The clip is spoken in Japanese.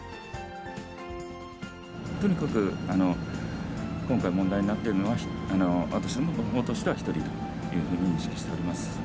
とにかく今回、問題になっているのは、私どものほうとしては１人というふうに認識しております。